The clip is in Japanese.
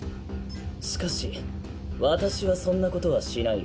しかし私はそんなことはしないよ。